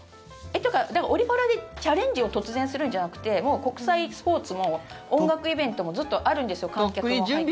というか、オリ・パラでチャレンジを突然するんじゃなくてもう国際スポーツも音楽イベントもずっとあるんですよ観客も入って。